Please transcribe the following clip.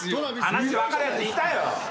話分かるやついたよ。